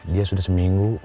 dia sudah seminggu